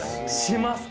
します。